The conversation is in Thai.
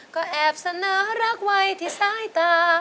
ก็แอบเสนอรักไว้ที่สายตา